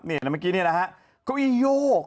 เมื่อกี้นี่นะฮะก็มีโยก